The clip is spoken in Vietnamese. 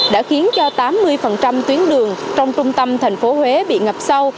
đã khiến cho tám mươi tuyến đường trong trung tâm thành phố huế bị ngập sâu